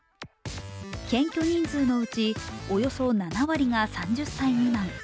検挙人数のうちおよそ７割が３０歳未満。